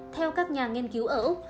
theo các nhà nghiên cứu ở úc